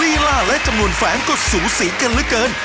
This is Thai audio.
ลีลาและจำนวนแฝงก็สูสีกันเหลือเกิน